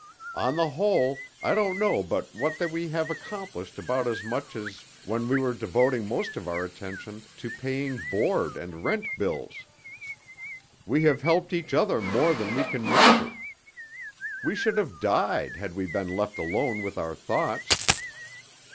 On the whole, I don't know but that we have accomplished about as much as when we were devoting most of our attention to paying board and rent bills. We have helped each other more than we can measure. We should have died had we been left alone with our thoughts.